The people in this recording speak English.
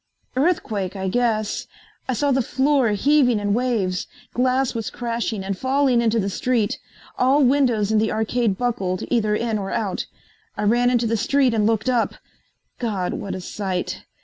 "Earthquake, I guess. I saw the floor heaving in waves. Glass was crashing and falling into the street. All windows in the arcade buckled, either in or out. I ran into the street and looked up. God, what a sight!